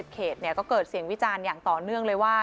เขตก็เกิดเสียงวิจารณ์อย่างต่อเนื่องเลยว่า